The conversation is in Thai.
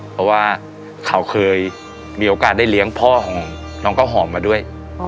เพราะว่าเขาเคยมีโอกาสได้เลี้ยงพ่อของน้องเก้าหอมมาด้วย